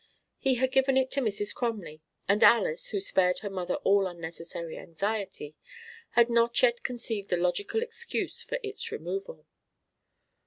He had given it to Mrs. Crumley; and Alys, who spared her mother all unnecessary anxiety, had not yet conceived a logical excuse for its removal.